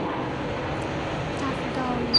大埔道于郝德杰道后通往琵琶山段。